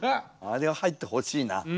あれは入ってほしいな。